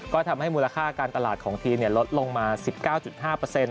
ก็ทำให้มูลค่าการตลาดของทีมเนี่ยลดลงมา๑๙๕เปอร์เซ็นต์